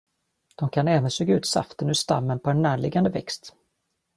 De kan även suga ut saften ur stammen på en närliggande växt.